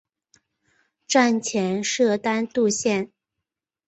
站前设单渡线。